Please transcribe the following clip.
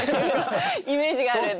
イメージがあるんで。